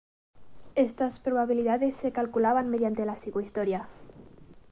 Estas probabilidades se calculaban mediante la psicohistoria.